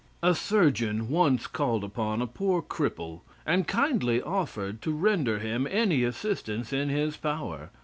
A surgeon once called upon a poor cripple and kindly offered to render him any assistance in his power.